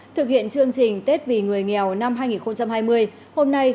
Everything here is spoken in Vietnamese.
thực hiện chương trình tết vì người nghèo năm hai nghìn hai mươi hôm nay